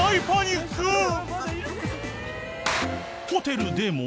［ホテルでも］